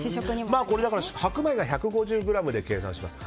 白米が１５０ｇで計算します。